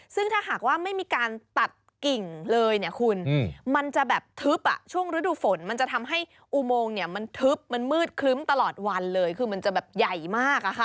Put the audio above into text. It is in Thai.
ซึ่งถ้าหากว่าไม่มีการตัดกิ่งเลยเนี่ยคุณมันจะแบบทึบช่วงฤดูฝนมันจะทำให้อุโมงเนี่ยมันทึบมันมืดครึ้มตลอดวันเลยคือมันจะแบบใหญ่มาก